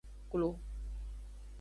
Klo.